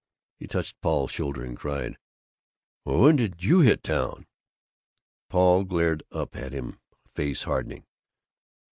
He touched Paul's shoulder, and cried, "Well, when did you hit town?" Paul glared up at him, face hardening.